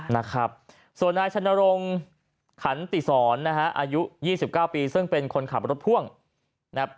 นะครับส่วนนายชนรงค์ขันติศรนะฮะอายุ๒๙ปีซึ่งเป็นคนขับรถพ่วงนะครับ